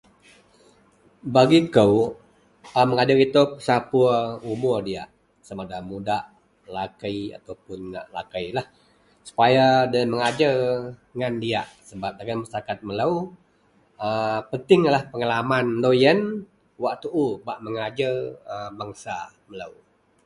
Bagi kou a mengajer itou pesapuor umuor diyak sama ada mudak, lakei ataupun ngak lakeilah sepaya loyen mengajer ngan diyak. Dagen masarakat melou, a pentinglah pengalaman loyen wak tuu bak mengajer a bangsa melou.